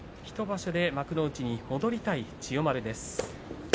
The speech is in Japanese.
１場所で幕内に戻りたい千代丸です。